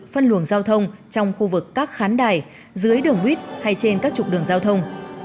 phân luồng giao thông trong khu vực các khán đài dưới đường huyết hay trên các trục đường giao thông